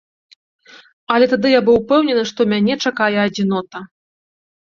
Але тады я быў упэўнены, што мяне чакае адзінота.